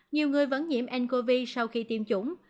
nhiều người vẫn nhiễm ncov sau khi tiêm chủng